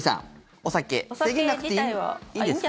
お酒、制限なくていいんですか？